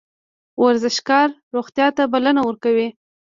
ورزشکار روغتیا ته بلنه ورکوي